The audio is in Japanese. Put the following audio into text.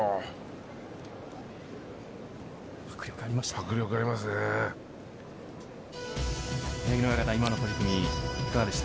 迫力ありました。